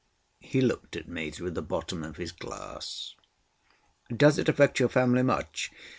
He looked at me through the bottom of his glass. "Does it affect your family much?"